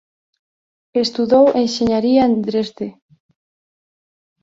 Estudou enxeñaría en Dresde.